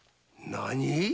なに！？